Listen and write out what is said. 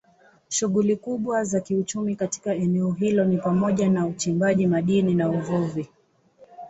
Shughuli kubwa za kiuchumi katika eneo hilo ni pamoja na uchimbaji madini na uvuvi.